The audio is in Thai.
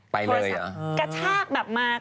กระชากแบบมา